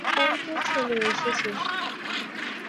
ওইতো চলে এসেছে।